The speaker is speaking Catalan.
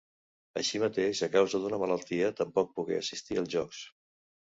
Així mateix, a causa d'una malaltia, tampoc pogué assistir als Jocs.